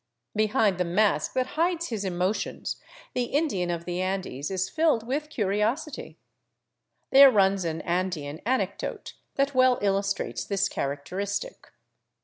Behind the mask that hides his emotions the Indian of the Andes is filled with 395 il VAGABONDING DOWN THE ANDES curiosity. There runs an Andean anecdote that well illustrates this characteristic.